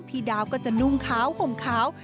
พี่ดาวก็จะนุ่งขาวห่มขาว